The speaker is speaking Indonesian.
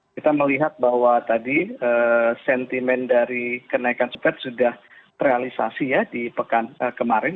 kita melihat bahwa tadi sentimen dari kenaikan supet sudah terrealisasi ya di pekan kemarin